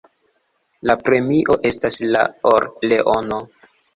La premio estas la or-leono.